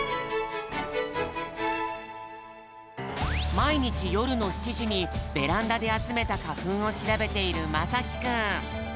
まいにちよるの７じにベランダであつめたかふんをしらべているまさきくん。